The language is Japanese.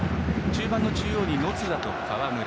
中盤の中央に野津田と川村。